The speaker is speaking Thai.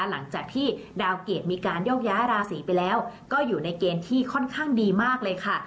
หลังจากที่ดาวเกรดมีการโยกย้ายราศีไปแล้วก็อยู่ในเกณฑ์ที่ค่อนข้างดีมากเลยค่ะ